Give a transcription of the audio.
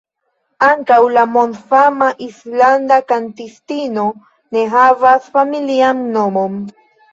Ankaŭ la mondfama islanda kantistino ne havas familian nomon.